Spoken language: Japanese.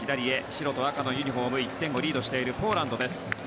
白と赤のユニホーム１点リードしているポーランドです。